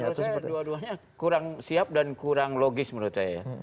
ya menurut saya dua duanya kurang siap dan kurang logis menurut saya